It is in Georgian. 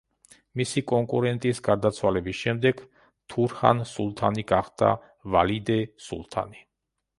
მისი კონკურენტის გარდაცვალების შემდეგ თურჰან სულთანი გახდა ვალიდე სულთანი.